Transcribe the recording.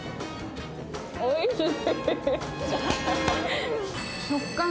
おいしい！